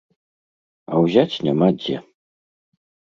А ўзяць няма дзе.